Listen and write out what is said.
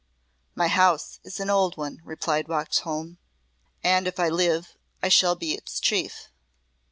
"My house is an old one," replied Roxholm, "and if I live I shall be its chief."